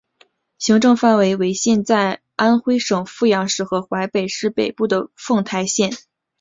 行政范围为现在安徽省阜阳市和淮南市北部的凤台县。